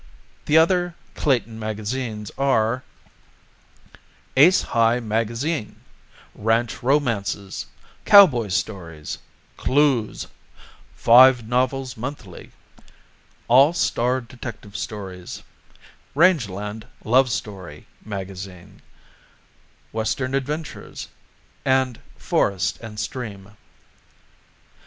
The other Clayton magazines are: ACE HIGH MAGAZINE, RANCH ROMANCES, COWBOY STORIES, CLUES, FIVE NOVELS MONTHLY, ALL STAR DETECTIVE STORIES, RANGELAND LOVE STORY MAGAZINE, WESTERN ADVENTURES, and FOREST AND STREAM.